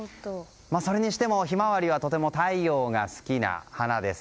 それにしてもヒマワリはとても太陽が好きな花です。